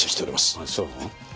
あっそう？